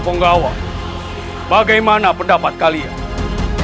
bong gawang bagaimana pendapat kalian kami sangat setuju agar bisa getting b quieras